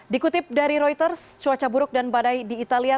dikutip dari reuters cuaca buruk dan badai di italia